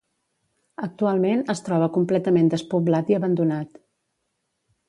Actualment es troba completament despoblat i abandonat.